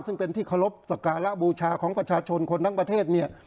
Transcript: ซึ่งเป็นที่เคารพสักการะบูชาของประชาชนคนทั้งประเทศเนี่ย